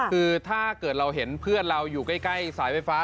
คือถ้าเกิดเราเห็นเพื่อนเราอยู่ใกล้สายไฟฟ้า